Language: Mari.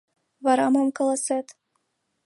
Вара мом каласет?